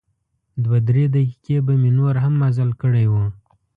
دوه درې دقیقې به مې نور هم مزل کړی و.